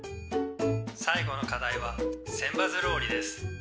「最後の課題は千羽鶴折りです。